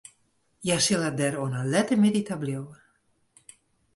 Hja sille der oan 'e lette middei ta bliuwe.